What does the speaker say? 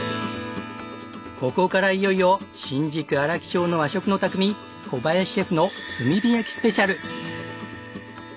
ここからいよいよ新宿荒木町の和食の匠小林シェフの炭火焼きスペシャル！